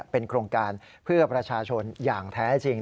เป็นโครงการเพื่อประชาชนอย่างแท้จริง